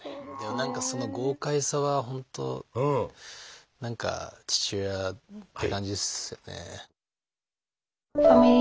何かその豪快さは本当何か父親って感じですよね。